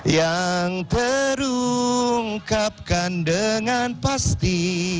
yang terungkapkan dengan pasti